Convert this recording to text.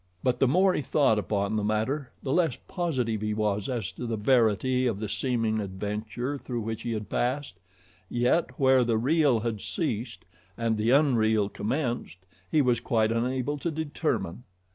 But the more he thought upon the matter the less positive he was as to the verity of the seeming adventure through which he had passed, yet where the real had ceased and the unreal commenced he was quite unable to determine.